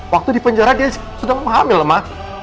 waktu di penjara dia sedang mengamil ma